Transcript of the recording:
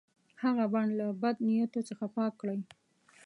هغه بڼ له بد نیتو څخه پاک کړي.